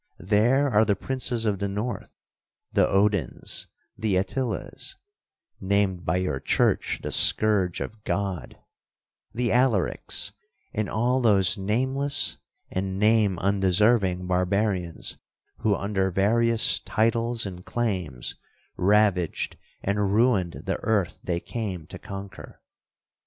There are the princes of the North, the Odins, the Attilas, (named by your church the scourge of God), the Alarics, and all those nameless and name undeserving barbarians, who, under various titles and claims, ravaged and ruined the earth they came to conquer.